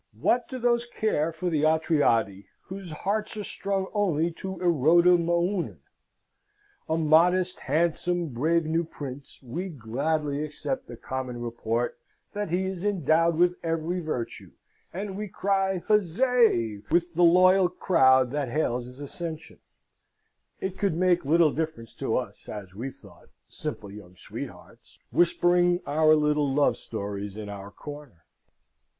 What do those care for the Atridae whose hearts are strung only to erota mounon? A modest, handsome, brave new Prince, we gladly accept the common report that he is endowed with every virtue; and we cry huzzay with the loyal crowd that hails his accession: it could make little difference to us, as we thought, simple young sweethearts, whispering our little love stories in our corner.